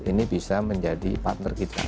ini bisa menjadi partner kita